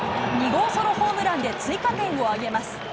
２号ソロホームランで、追加点を挙げます。